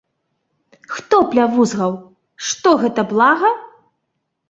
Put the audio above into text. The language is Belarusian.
Хто плявузгаў, што гэта блага?!